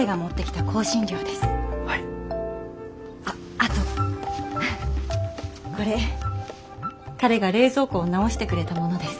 あとこれ彼が冷蔵庫を直してくれたものです。